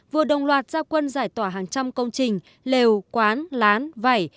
vừa đồng loạt gia quân giải tỏa hàng trăm công trình lều quán lán vẩy